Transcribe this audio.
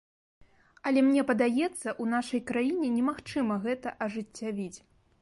Але мне падаецца, у нашай краіне немагчыма гэта ажыццявіць.